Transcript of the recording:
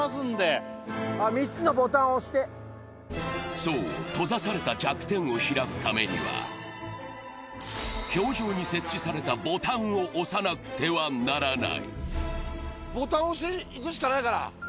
そう、閉ざされた弱点を開くためには、氷上に設置されたボタンを押さなければならない。